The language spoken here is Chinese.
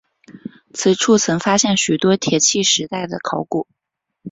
此处曾发现许多铁器时代的考古发现。